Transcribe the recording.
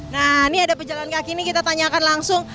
nah ini ada pejalan kaki ini kita tanyakan langsung